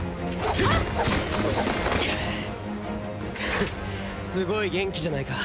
フッすごい元気じゃないか。